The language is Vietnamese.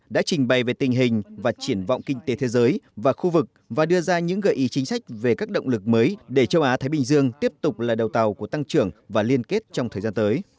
đã trình bày về tình hình và triển vọng kinh tế thế giới và khu vực và đưa ra những gợi ý chính sách về các động lực mới để châu á thái bình dương tiếp tục là đầu tàu của tăng trưởng và liên kết trong thời gian tới